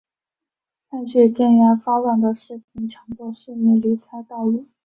派去镇压骚乱的士兵强迫市民离开道路。